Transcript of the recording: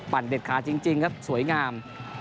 เด็ดขาจริงครับสวยงาม